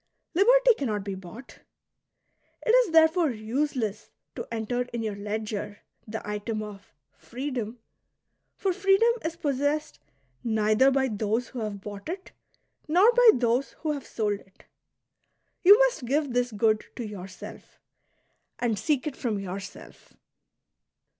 Liberty cannot be bought. It is therefore useless to enter in your ledger" the item of " Freedom," for freedom is possessed neither by those who have bought it nor by those who have sold it. You must give this good to yourself, and seek it from j'ourself.